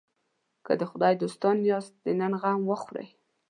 که د خدای دوستان یاست د نن غم وخورئ.